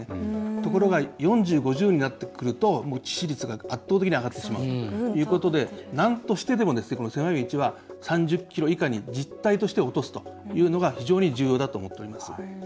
ところが４０、５０ぐらいになってくるともう致死率が圧倒的に上がってしまうということでなんとしてでも、３０キロ以下に実態として落とすというのが非常に重要だと思っております。